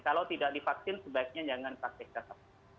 kalau tidak divaksin sebaiknya jangan praktek tatap muka